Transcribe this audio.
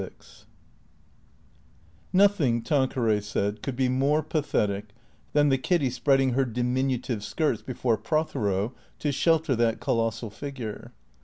LVI NOTHING, Tanqueray said, could be more pathetic than the Kiddy spreading her diminutive skirts before Pro thero, to shelter that colossal figure.